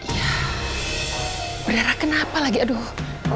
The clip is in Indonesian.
ya berera kenapa lagi aduh